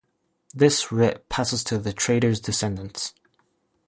This writ passes to the Trader's descendants.